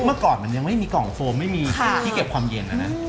เมื่อก่อนมันยังไม่มีกล่องโฟมไม่มีที่เก็บความเย็นแล้วนะ